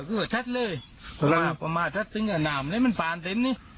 คือจะทัศน์เลยครับมาทัศน์ตึงกับน้ำนี้มันปานเต็มนี้